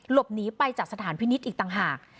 หลบหนีไปจากสถานพินิษฐ์อีกต่างหาก